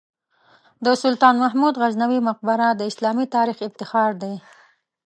د سلطان محمود غزنوي مقبره د اسلامي تاریخ افتخار دی.